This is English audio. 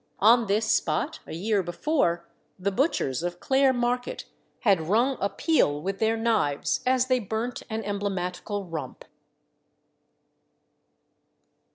On this spot, a year before, the butchers of Clare Market had rung a peal with their knives as they burnt an emblematical Rump.